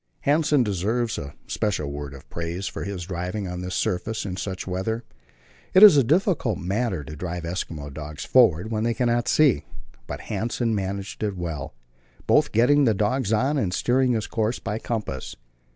Hanssen deserves a special word of praise for his driving on this surface in such weather. It is a difficult matter to drive Eskimo dogs forward when they cannot see; but Hanssen managed it well, both getting the dogs on and steering his course by compass.